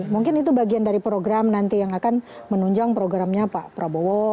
mungkin itu bagian dari program nanti yang akan menunjang programnya pak prabowo